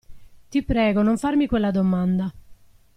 Ti prego non farmi quella domanda.